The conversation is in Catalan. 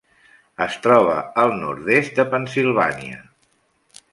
Es troba al nord-est de Pennsilvània.